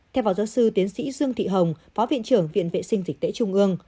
theo phó giáo sư tiến sĩ dương thị hồng phó viện trưởng viện vệ sinh dịch tễ trung ương